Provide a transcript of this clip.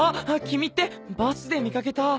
君ってバスで見かけた。